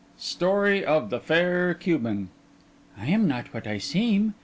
STORY OF THE FAIR CUBAN I am not what I seem.